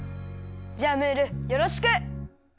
じゃあムールよろしく！